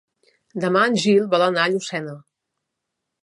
Demà en Gil vol anar a Llucena.